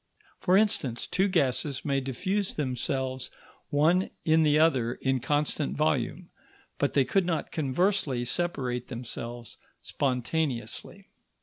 For instance, two gases may diffuse themselves one in the other in constant volume, but they could not conversely separate themselves spontaneously.